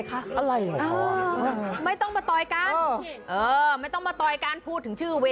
คราวหน้าจะไม่มีแล้วหนึ่งห้า